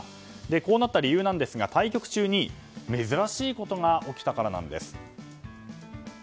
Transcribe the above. こうなった理由なんですが対局中に珍しいことが起きたからなんです。